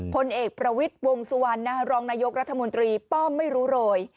พลเอกประวิทย์วงสุวรรณรองนายกรัฐมนตรีป้อมไม่รู้โรย